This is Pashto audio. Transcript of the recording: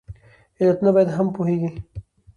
علتونو باندې هم پوهیږي